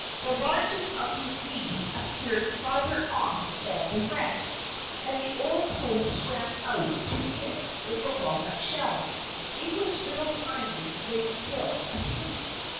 The largest of these leaves appeared farther off than the rest, and the old toad swam out to it with the walnut shell, in which little Tiny lay still asleep.